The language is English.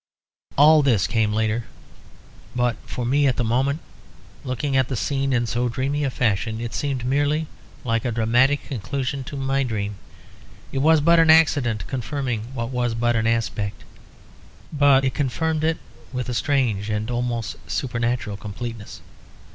All this came later; but for me at the moment, looking at the scene in so dreamy a fashion, it seemed merely like a dramatic conclusion to my dream. It was but an accident confirming what was but an aspect. But it confirmed it with a strange and almost supernatural completeness.